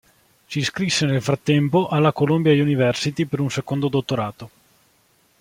Si iscrisse nel frattempo alla Columbia University per un secondo dottorato.